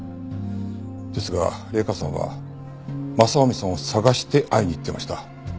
ですが麗華さんは雅臣さんを捜して会いに行ってました。